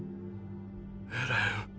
エレン。